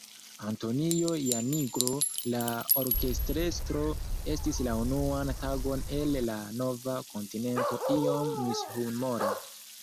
Antonio Janigro, la orkestrestro, estis la unuan tagon en la nova kontinento iom mishumora.